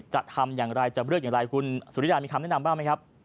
จะทำอย่างไรจะเลือกอย่างไรคุณสุริดามีคำแนะนำบ้างไหมครับ